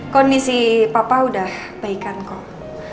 kondisi papa udah baik kan kok